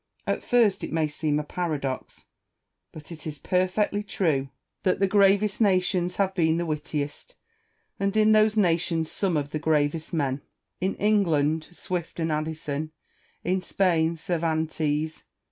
At first it may seem a paradox, but it is perfectly true, that 36 242 IMA GIN A R Y CON VERS A TIONS. the gravest nations have been the wittiest ; and in those nations some of the gravest men. In England Swift and Addison, in Spain Cervantes.